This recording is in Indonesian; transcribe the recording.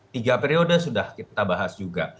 tiga periode sudah kita bahas juga